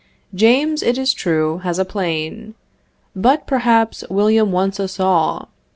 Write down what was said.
James, it is true, has a plane; but, perhaps, William wants a saw.